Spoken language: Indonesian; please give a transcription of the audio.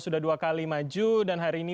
sudah dua kali maju dan hari ini